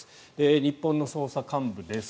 日本の捜査幹部です。